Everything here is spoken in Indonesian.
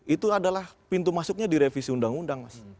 itu adalah pintu masuknya di revisi undang undang mas